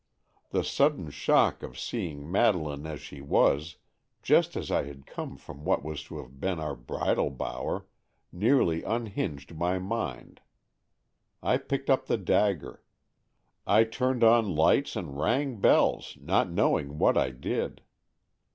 The sudden shock of seeing Madeleine as she was, just as I had come from what was to have been our bridal bower, nearly unhinged my mind. I picked up the dagger, I turned on lights and rang bells, not knowing what I did.